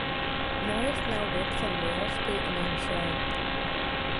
Morris now works in real estate and insurance.